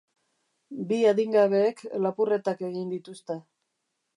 Bi adingabeek lapurretak egin dituzte.